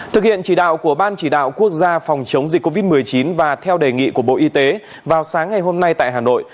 thực hiện chỉ đạo của ban chỉ đạo quốc gia phòng chống dịch covid một mươi chín và theo đề nghị của bộ y tế vào sáng ngày hôm nay tại hà nội